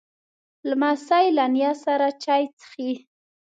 لمسی له نیا سره چای څښي.